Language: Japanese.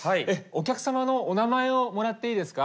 お客様のお名前をもらっていいですか？